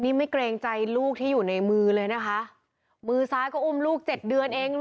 นี่ไม่เกรงใจลูกที่อยู่ในมือเลยนะคะมือซ้ายก็อุ้มลูกเจ็ดเดือนเอง